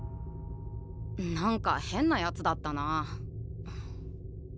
何か変なやつだったな。